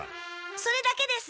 それだけです。